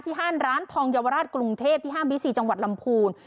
ห้านร้านทองเยาวราชกรุงเทพที่ห้างบีซีจังหวัดลำพูน